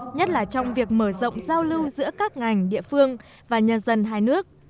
nhất là trong việc mở rộng giao lưu giữa các ngành địa phương và nhân dân hai nước